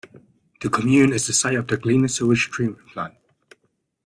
The commune is the site of the Glina sewage treatment plant.